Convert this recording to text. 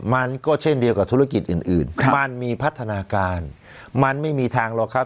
มันก็เช่นเดียวกับธุรกิจอื่นมันมีพัฒนาการมันไม่มีทางหรอกครับ